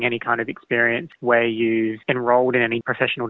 di mana anda bergabung di kursus pembangunan profesional